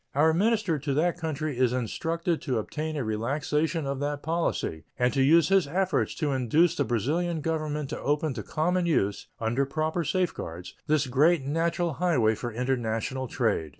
Our minister to that country is instructed to obtain a relaxation of that policy and to use his efforts to induce the Brazilian Government to open to common use, under proper safeguards, this great natural highway for international trade.